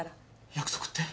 約束って？